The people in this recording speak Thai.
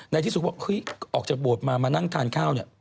ในที่สุดว่าเฮ้ยออกจากโบสถ์มามานั่งทานข้าวเนี่ย